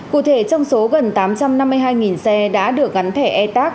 cụ thể trong số gần tám trăm năm mươi hai xe đã được gắn thẻ e tac